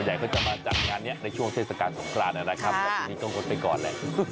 ส่วนใหญ่เขาจะมาจัดงานนี้ในช่วงเทศกาลสงครานะครับแต่ทีนี้ก็กดไปก่อนแหละ